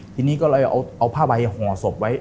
ทีนี้ก็เลยเอาผ้าใบห่อศพไว้